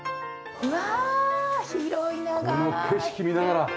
うわ！